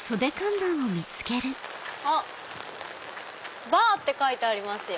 あっバーって書いてありますよ。